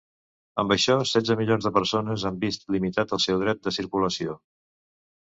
Amb això setze milions de persones han vist limitat el seu dret de circulació.